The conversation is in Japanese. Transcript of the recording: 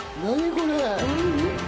これ。